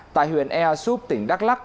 tại huyện ea súp tỉnh đắk lắc